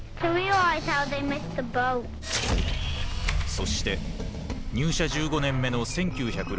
そして入社１５年目の１９６０年。